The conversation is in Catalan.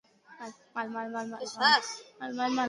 Sobre què escrigueren ambdós en les seves composicions?